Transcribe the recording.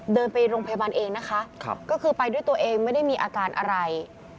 เดินไปโรงพยาบาลเองนะคะก็คือไปด้วยตัวเองไม่ได้มีอาการอะไร